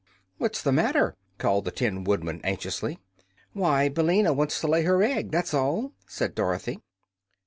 "What's the matter?" called the Tin Woodman, anxiously. "Why, Billina wants to lay her egg, that's all," said Dorothy.